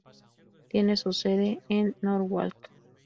Tiene su sede en Norwalk.